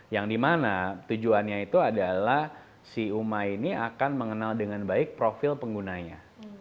yang dimana tujuannya itu adalah si uma ini akan mengenal dengan baik profil penggunanya